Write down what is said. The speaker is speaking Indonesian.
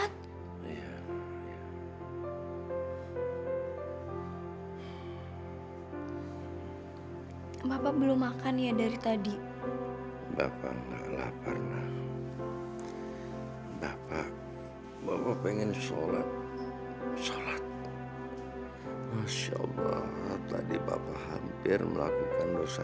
tapi kalau pas pasan gak usah